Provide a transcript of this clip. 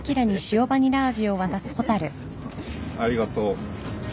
ありがとう。